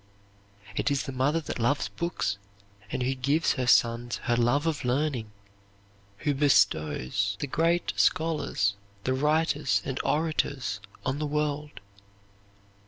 "It is the mother that loves books, and who gives her sons her love of learning, who bestows the great scholars, the writers, and orators, on the world.